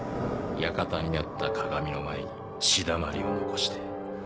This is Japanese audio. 館にあった鏡の前に血だまりを残して。